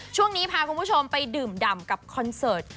ช่วงนี้พาคุณผู้ชมไปดื่มดำกับคอนเสิร์ต